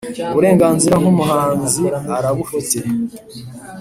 Uburenganzira nk ‘umuhanzi arabufite.